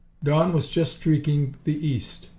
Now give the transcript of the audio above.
Dawn was just streaking the east.